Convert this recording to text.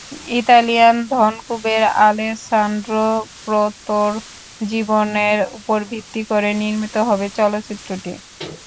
Italian ধনকুবের Alessandro প্রোতোর জীবনের ওপর ভিত্তি করে নির্মিত হবে চলচ্চিত্রটি।